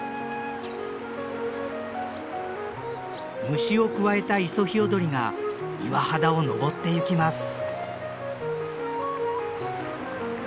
虫をくわえたイソヒヨドリが岩肌を登ってゆきます。